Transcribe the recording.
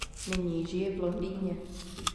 Nyní žije v Londýně.